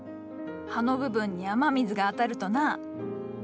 葉の部分に雨水が当たるとな。